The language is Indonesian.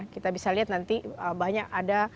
kita bisa lihat nanti banyak ada